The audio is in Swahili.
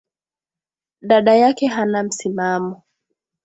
Dada yake hana msimamo